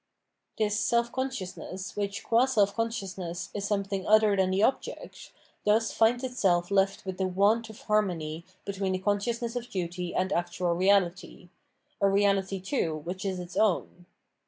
This self consciousness, which, qu^ self consciousness, is something other than the object, thus finds itself left with the want of harmony between the consciousness of duty and actual reality, a reality, too, which is its own.